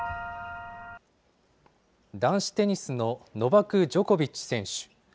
男子テニスのノバク・ジョコビッチ選手。